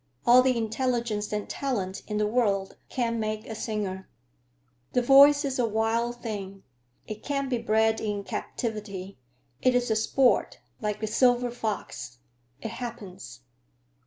All the intelligence and talent in the world can't make a singer. The voice is a wild thing. It can't be bred in captivity. It is a sport, like the silver fox. It happens."